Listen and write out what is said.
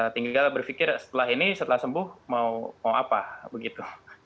tinggal berpikir setelah ini setelah sembuh mau apa begitu